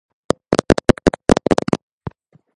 მისი სამშობლოა ბალკანეთის ნახევარკუნძული და მცირე აზია.